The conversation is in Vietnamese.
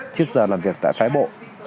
trước giờ làm việc tại phái bộ